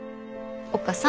おっ母さん。